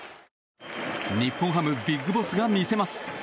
日本ハムＢＩＧＢＯＳＳが見せます。